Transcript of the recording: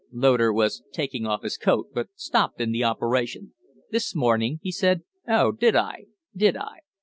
Loder was taking off his coat, but stopped in the operation. "This morning?" he said. "Oh, did I? Did I?"